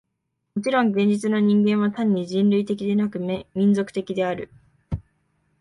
もちろん現実の人間は単に人類的でなく、民族的である。